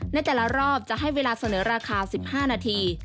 ในแต่ละรอบจะให้เวลาเสนอราคา๑๕นาที